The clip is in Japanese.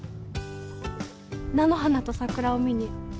菜の花と桜を見に。